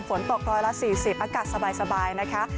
ฝนตกร้อยละ๔๐อากาศสบายนะคะ